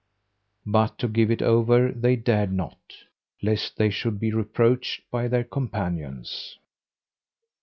But to give it over they dared not, lest they should be reproached by their companions.